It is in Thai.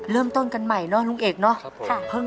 เริ่มต้นกันใหม่เนาะลุงเอกเนาะ